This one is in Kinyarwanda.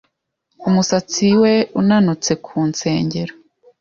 Umusatsi we unanutse ku nsengero.